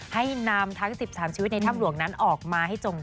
ให้นำทั้ง๑๓ชีวิตในถ้ำหลวงนั้นออกมาให้จงใจ